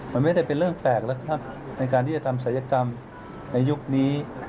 มันไม่ได้เป็นเรื่องแปลกแล้วครับในการที่จะทำศัยกรรมในยุคนี้